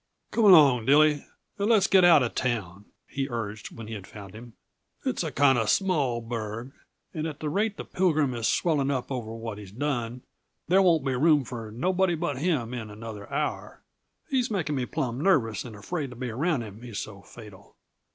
"Come along, Dilly, and let's get out uh town," he urged, when he had found him. "It's a kinda small burg, and at the rate the Pilgrim is swelling up over what he done, there won't be room for nobody but him in another hour. He's making me plumb nervous and afraid to be around him, he's so fatal."